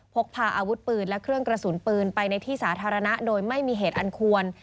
พกพาอาวุธปืนและเครื่องกระสุนปืนไปในที่สาธารณะโดยไม่มีเหตุอันควร